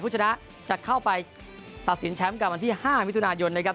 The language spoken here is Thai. ชนะจะเข้าไปตัดสินแชมป์กับวันที่๕มิถุนายนนะครับ